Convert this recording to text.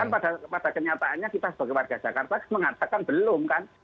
kan pada kenyataannya kita sebagai warga jakarta mengatakan belum kan